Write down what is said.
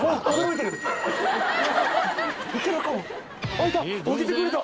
開いた！